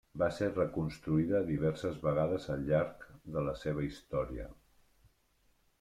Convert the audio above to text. Va ser reconstruïda diverses vegades al llarg de la seva història.